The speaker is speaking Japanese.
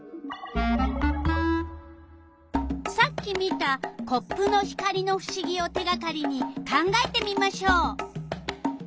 さっき見たコップの光のふしぎを手がかりに考えてみましょう。